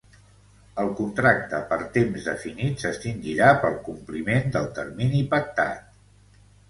El contracte per temps definit s'extingirà pel compliment del termini pactat.